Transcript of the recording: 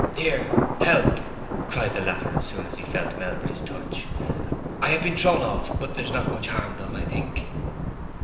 "Here—help!" cried the latter as soon as he felt Melbury's touch; "I have been thrown off, but there's not much harm done, I think."